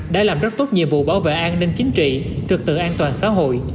đã làm rất tốt nhiệm vụ bảo vệ an ninh chính trị trực tự an toàn xã hội